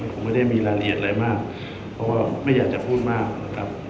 คงไม่ได้มีรายละเอียดอะไรมากเพราะว่าไม่อยากจะพูดมากนะครับ